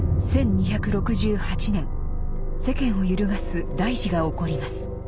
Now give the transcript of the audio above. １２６８年世間を揺るがす大事が起こります。